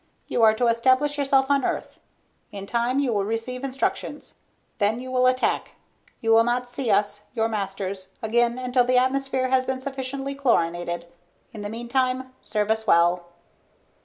"You are to establish yourself on Earth. In time you will receive instructions. Then you will attack. You will not see us, your masters, again until the atmosphere has been sufficiently chlorinated. In the meantime, serve us well."